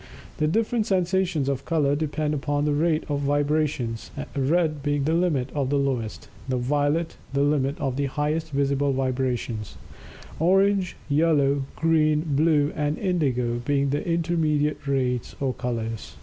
The different sensations of color, depend upon the rate of the vibrations, red being the limit of the lowest, and violet the limit of the highest visible vibrations orange, yellow, green, blue, and indigo being the intermediate rates or colors.